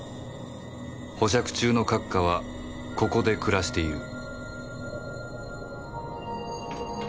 保釈中の閣下はここで暮らしている